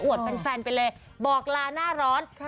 อวดเป็นแฟนไปเลยบอกลาหน้าร้อนค่ะ